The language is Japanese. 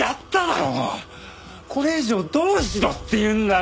これ以上どうしろって言うんだよ！